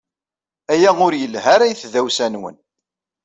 Aya ur yelhi ara i tdawsa-nwen.